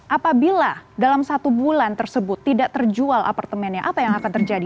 apabila dalam satu bulan tersebut tidak terjual apartemennya apa yang akan terjadi